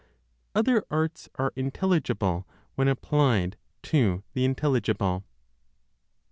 OTHER ARTS ARE INTELLIGIBLE WHEN APPLIED TO THE INTELLIGIBLE.